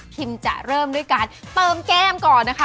จะเริ่มด้วยการเติมแก้มก่อนนะคะ